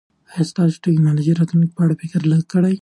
ایا تاسو د ټکنالوژۍ د راتلونکي په اړه فکر کړی؟